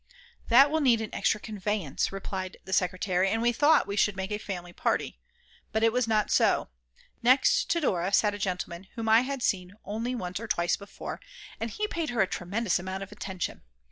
"That will need an extra conveyance," replied the secretary, and we thought we should make a family party. But it was not so: Next Dora sat a gentleman whom I had seen once or twice before, and he paid her a tremendous amount of attention.